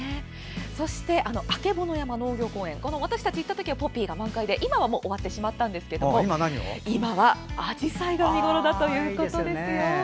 あけぼの山農業公園私たち行ったときはポピーが満開で今は終わってしまったんですが今はあじさいが見頃だということですよ。